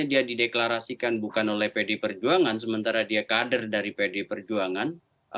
dan misalnya dia di deklarasikan bukan oleh pdi perjuangan sementara dia kader dari pdi perjuangan